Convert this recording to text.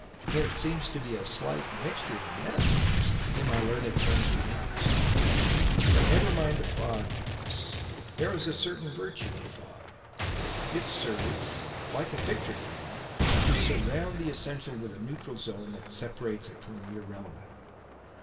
"There seems to be a slight mixture of metaphors in my learned friend's remarks. But never mind the fog, Jervis. There is a certain virtue in fog. It serves, like a picture frame, to surround the essential with a neutral zone that separates it from the irrelevant."